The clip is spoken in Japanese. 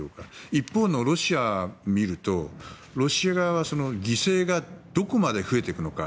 一方のロシアを見るとロシア側は犠牲がどこまで増えていくのか